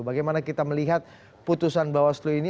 bagaimana kita melihat putusan bawaslu ini